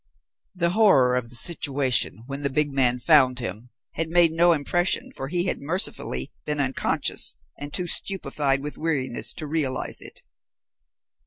The horror of his situation when the big man found him had made no impression, for he had mercifully been unconscious and too stupefied with weariness to realize it.